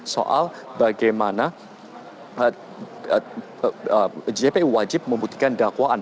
soal bagaimana jpu wajib membuktikan dakwaan